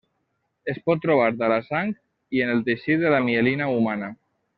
Es pot trobar a la sang i en el teixit de la mielina humana.